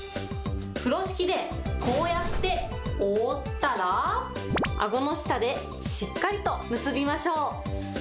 風呂敷でこうやって覆ったら、あごの下で、しっかりと結びましょう。